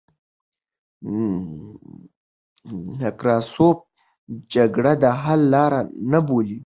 نکراسوف جګړه د حل لار نه بولي.